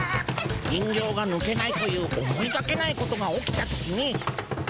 人形がぬけないという思いがけないことが起きた時に。